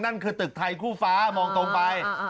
นั่นคือตึกไทยคู่ฟ้ามองตรงไป